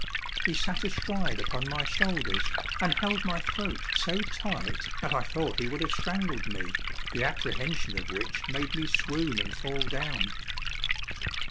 He sat astride upon my shoulders, and held my throat so tight that I thought he would have strangled me, the apprehension of which made me swoon and fall down.